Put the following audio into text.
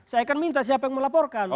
saya akan minta siapa yang melaporkan